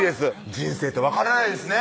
人生って分からないですね